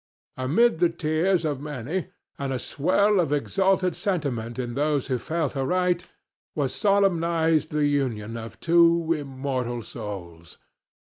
Amid the tears of many and a swell of exalted sentiment in those who felt aright was solemnized the union of two immortal souls.